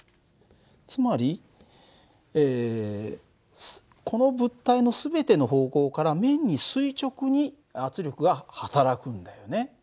つまりこの物体の全ての方向から面に垂直に圧力が働くんだよね。